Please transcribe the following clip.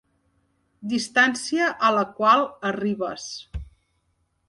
Distància a la qual arribes.